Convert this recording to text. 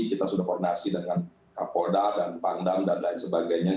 kita sudah koordinasi dengan kapolda dan pangdam dan lain sebagainya